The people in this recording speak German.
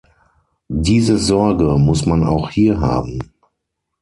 Diese Sorge muss man auch hier haben.